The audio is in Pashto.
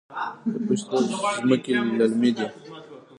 د پشت رود ځمکې للمي دي